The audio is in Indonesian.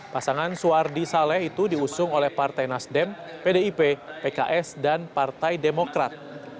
pasangan suwardi saleh itu diusung oleh partai nasdem pdip pks dan partai demokrat